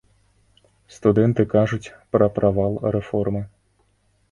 Студэнты кажуць пра правал рэформы.